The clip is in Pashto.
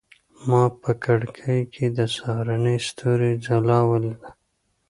ما په کړکۍ کې د سهارني ستوري ځلا ولیده.